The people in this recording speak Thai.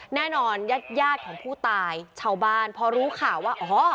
ญาติยาดของผู้ตายชาวบ้านพอรู้ข่าวว่าอ๋อ